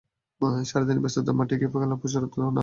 সারা দিনের ব্যস্ততায় মাঠে গিয়ে খেলার ফুরসত হয় না খুব একটা।